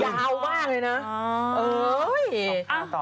ยาวมากเลยนะ